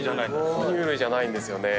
哺乳類じゃないんですよね。